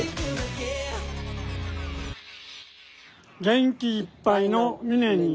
元気いっぱいの美祢に。